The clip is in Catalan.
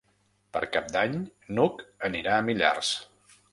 Per Cap d'Any n'Hug anirà a Millars.